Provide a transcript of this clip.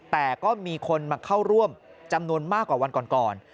แต่ก็มีคนมาเข้าร่วมจำนวนมากกว่าวันก่อน